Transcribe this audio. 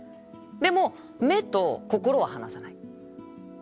でも目と心は離さない。